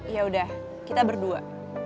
ya udah kita berdua